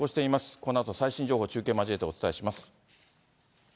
このあと最新情報を中継を交えてお伝えします。